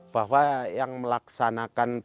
bahwa yang melaksanakan